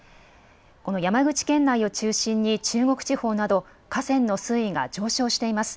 この山口県内を中心に中国地方など河川の水位が上昇しています。